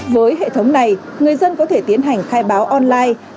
với hệ thống này người dân có thể tiến hành khai báo online